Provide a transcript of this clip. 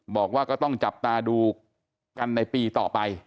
บอกว่าก็ต้องจับตาดูกันในปีต่อไป